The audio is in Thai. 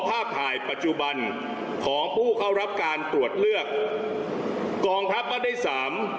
ภาคหายปัจจุบันของผู้เข้ารับการตรวจเลือกสาม